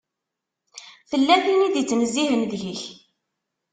Tella tin i d-ittnezzihen deg-k.